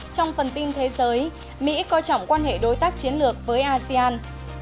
trong phần tin thế giới mỹ coi trọng quan hệ đối tác chiến lược với asean